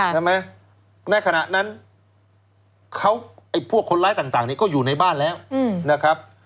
ในขณะนั้นเขาไอ้พวกคนร้ายต่างนี้ก็อยู่ในบ้านแล้วนะครับ